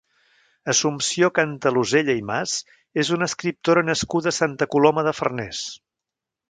Assumpció Cantalozella i Mas és una escriptora nascuda a Santa Coloma de Farners.